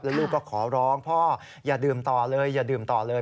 ลูกก็ขอร้องพ่ออย่าดื่มต่อเลยอย่าดื่มต่อเลย